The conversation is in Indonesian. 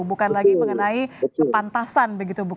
bukan lagi mengenai kepantasan begitu